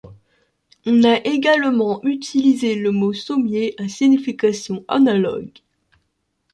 On a également utilisé le mot sommier à signification analogue.